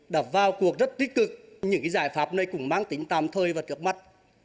đã vào cuộc rất tích cực những giải pháp này cũng mang tính tàm thời và trước mắt